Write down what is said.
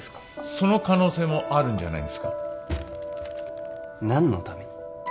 その可能性もあるんじゃないですか何のために？